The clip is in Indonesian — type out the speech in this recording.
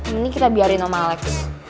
mending kita biarin sama alex